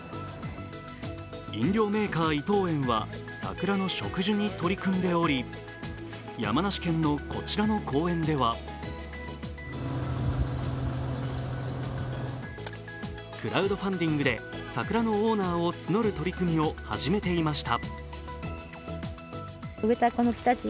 飲料メーカー、伊藤園は桜の植樹に取り組んでおり、山梨県のこちらの公園ではクラウドファンディングで桜のオーナーを募る取り組みを始めていました。